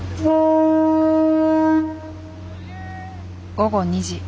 午後２時。